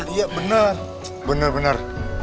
iya benar benar benar